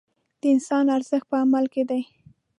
د انسان ارزښت په عمل کې دی.